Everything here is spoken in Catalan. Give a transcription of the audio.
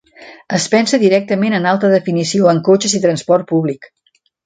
Es pensa directament en alta definició en cotxes i transport públic.